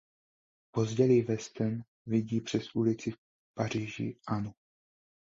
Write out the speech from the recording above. Později Weston vidí přes ulici v Paříži Anu.